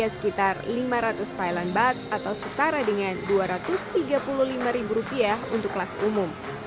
sekitar lima ratus thailand baht atau setara dengan dua ratus tiga puluh lima ribu rupiah untuk kelas umum